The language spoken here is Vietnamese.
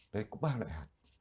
đấy cũng ba loại hạt